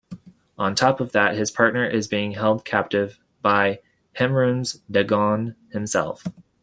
On top of that, his partner is being held captive by Mehrunes Dagon himself.